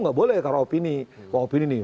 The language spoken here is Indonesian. nggak boleh karena opini kalau opini nih